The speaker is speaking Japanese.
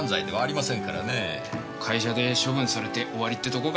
会社で処分されて終わりってとこか。